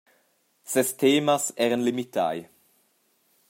Ses temas eran limitai.